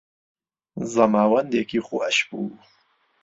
زەماوندێکی خۆش بوو